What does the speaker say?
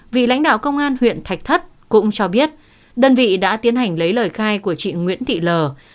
vị lãnh đạo công an huyện thạch thất cũng cho biết đơn vị đã tiến hành lấy lời khai của chị nguyễn thị lờ